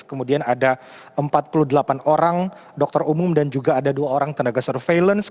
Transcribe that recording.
kemudian ada empat puluh delapan orang dokter umum dan juga ada dua orang tenaga surveillance